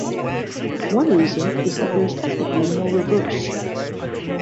One reason is that there is technically no reverse.